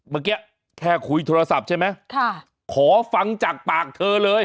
เมื่อกี้แค่คุยโทรศัพท์ใช่ไหมค่ะขอฟังจากปากเธอเลย